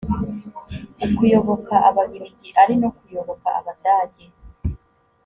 ukuyoboka ababirigi ari no kuyoboka abadage